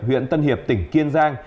huyện tân hiệp tỉnh kiên giang